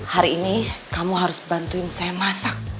hari ini kamu harus bantuin saya masak